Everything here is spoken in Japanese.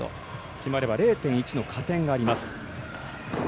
決まれば０．１の加点があります。